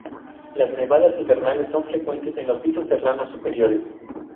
Las nevadas invernales son frecuentes en los pisos serranos superiores.